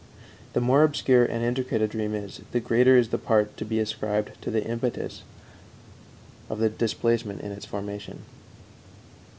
The more obscure and intricate a dream is, the greater is the part to be ascribed to the impetus of displacement in its formation.